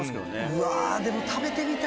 うわでも。